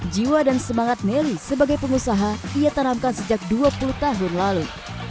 jiwa dan semangat nelly sebagai pengusaha ia tanamkan sejak dua puluh tahun lalu